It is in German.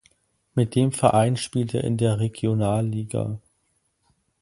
Mit dem Verein spielt er in der Regionalliga.